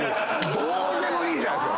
どうでもいいじゃないですか。